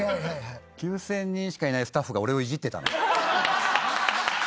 ９０００人しかいないスタッフが俺をいじってたの？